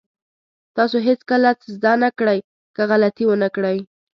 تاسو هېڅکله څه زده نه کړئ که غلطي ونه کړئ.